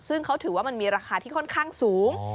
ซึ่งเขาถือว่ามันมีราคาที่ค่อนข้างสูง